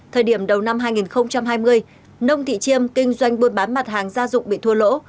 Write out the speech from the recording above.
thời điểm đầu năm hai nghìn hai mươi nông thị chiêm kinh doanh buôn bán mặt hàng gia dụng bị thua lỗ